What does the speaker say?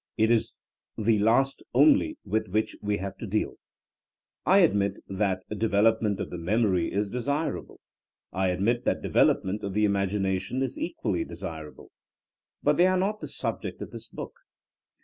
It is the last only with which we have to deal I admit that development of the memory is de sirable. I admit that development of the imag ination is equally desirable. But they are not the subject of this book.